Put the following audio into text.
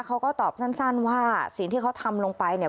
เขาก็ตอบสั้นว่าสิ่งที่เขาทำลงไปเนี่ย